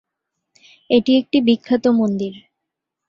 এটি একটি বিখ্যাত মন্দির।